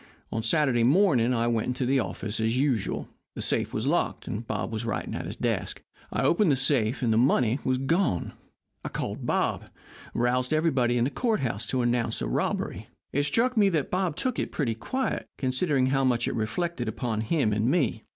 On Saturday morning I went to the office as usual. The safe was locked, and Bob was writing at his desk. I opened the safe, and the money was gone. I called Bob, and roused everybody in the court house to announce the robbery. It struck me that Bob took it pretty quiet, considering how much it reflected upon both him and me.